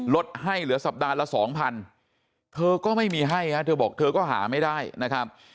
ลดให้เหลือสัปดาห์ละสองพันเธอก็ไม่มีให้ฮะเธอบอกเธอก็หาไม่ได้นะครับ